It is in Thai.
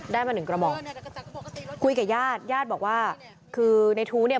ได้มาหนึ่งกระหมอกกุ้ยกับญาติยาดบอกว่าคือในทูเนี่ย